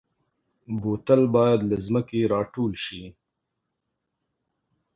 بوتل باید له ځمکې راټول شي.